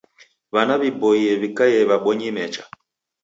W'ana w'iboie w'ikaie w'abonyi mecha.